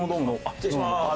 失礼します。